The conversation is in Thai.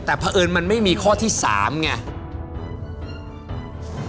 แต่เพราะเอิญมันไม่มีข้อที่๓ไง